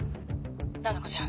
奈々子ちゃん。